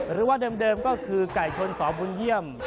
หรือว่าเดิมก็คือไก่ชนสบุญเยี่ยม